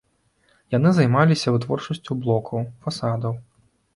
Яны займаліся вытворчасцю блокаў, фасадаў.